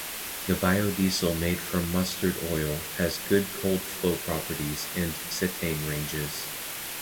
The biodiesel made from mustard oil has good cold flow properties and cetane ratings.